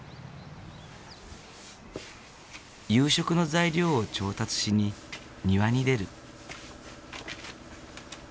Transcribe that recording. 夕食の材料を調達しに庭に出る。